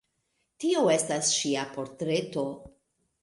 Tio estas ŝia portreto.